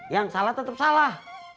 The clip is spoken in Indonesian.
yang salah tetep salah